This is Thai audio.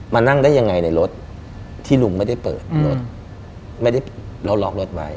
มานั่งได้ยังไงในรถที่ลุงไม่ได้เปิดรถเราล็อกรถไว้